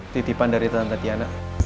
titipan dari tante tiana